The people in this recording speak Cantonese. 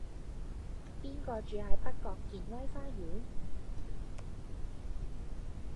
邊個住喺北角健威花園